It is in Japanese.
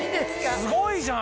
すごいじゃん！